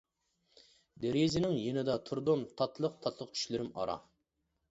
دېرىزىنىڭ يېنىدا تۇردۇم، تاتلىق-تاتلىق چۈشلىرىم ئارا.